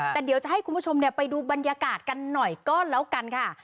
แต่เดี๋ยวจะให้คุณผู้ชมไปดูบรรยากาศกันหน่อยก็แล้วกันค่ะ